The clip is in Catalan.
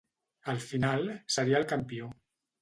Al final, seria el campió.